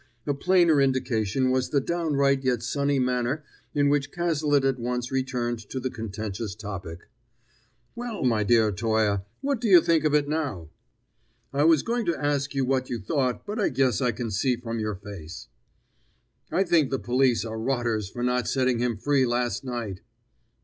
A plainer indication was the downright yet sunny manner in which Cazalet at once returned to the contentious topic. "Well, my dear Toye, what do you think of it now?" [Illustration: "What do you think of it now?"] "I was going to ask you what you thought, but I guess I can see from your face." "I think the police are rotters for not setting him free last night!"